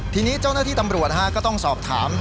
ทีนี้เจ้าหน้าที่ตำรวจก็ต้องสอบถาม